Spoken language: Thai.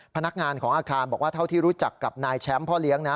พนักงานของอาคารบอกว่าเท่าที่รู้จักกับนายแชมป์พ่อเลี้ยงนะ